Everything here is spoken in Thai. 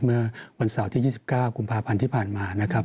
เมื่อวันเสาร์ที่๒๙กุมภาพันธ์ที่ผ่านมานะครับ